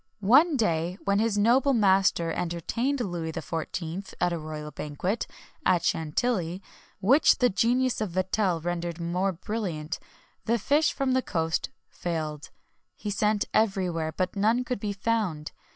One day when his noble master entertained Louis XIV. at a royal banquet, at Chantilly, which the genius of Vatel rendered more brilliant, the fish from the coast failed; he sent everywhere, but none could be found.